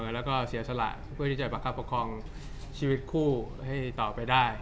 แล้วก็เสียสละเพื่อที่จะประคับประคองชีวิตคู่ให้ต่อไปได้